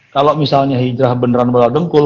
kalau misalnya hijrah beneran bakal dengkul